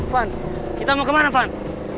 van kita mau kemana fan